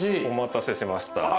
お待たせしました。